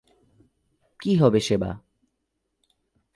কী হবে সেবা!